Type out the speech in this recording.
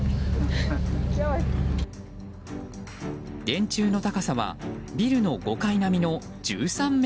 電柱の高さはビルの５階並みの１３ｍ。